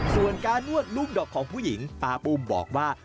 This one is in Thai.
ส่วนการนวดลูกดอกของผู้หญิงป้าปุ้มบอกว่า